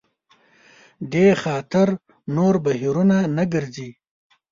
دې خاطر نور بهیرونه نه ګرځي.